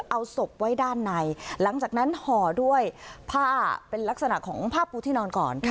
เอาศพไว้ด้านในหลังจากนั้นห่อด้วยผ้าเป็นลักษณะของผ้าปูที่นอนก่อน